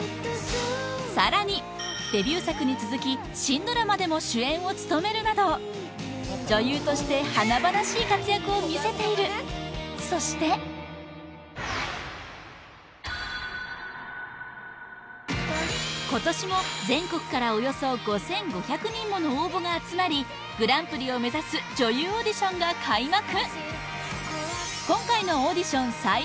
さらにデビュー作に続き新ドラマでも主演を務めるなど女優として華々しい活躍を見せているそして今年も全国からおよそ５５００人もの応募が集まりグランプリを目指す女優オーディションが開幕